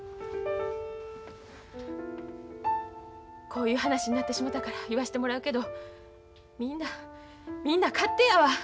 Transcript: こういう話になってしもたから言わしてもらうけどみんなみんな勝手やわ。